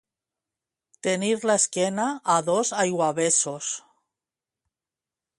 Tenir l'esquena a dos aiguavessos.